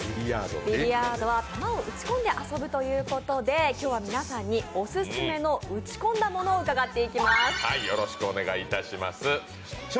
ビリヤードは球を打ち込んで遊ぶというもので、今日は皆さんにオススメの打ち込んだものを伺っていきます。